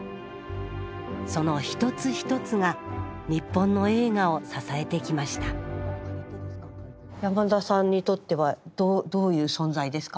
その一つが一つが日本の映画を支えてきました山田さんにとってはどういう存在ですか？